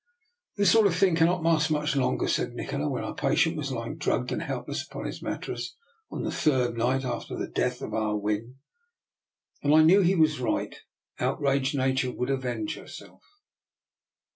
" This sort of thing cannot last much longer," said Nikola, when our patient was lying drugged and helpless upon his mattress on the third night after the death of Ah Win. And I knew he was right. Outraged nature would avenge herself.